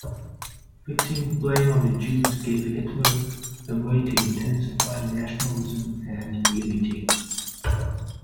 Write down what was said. Fixing blame on the Jews gave Hitler a way to intensify nationalism and unity.